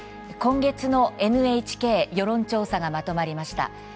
今月のＮＨＫ世論調査がまとまりました。